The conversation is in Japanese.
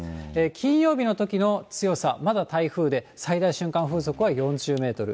金曜日のときの強さ、まだ台風で最大瞬間風速は４０メートル。